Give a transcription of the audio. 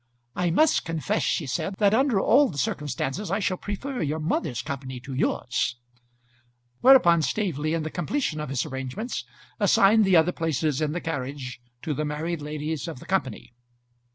"I must confess," she said, "that under all the circumstances, I shall prefer your mother's company to yours;" whereupon Staveley, in the completion of his arrangements, assigned the other places in the carriage to the married ladies of the company.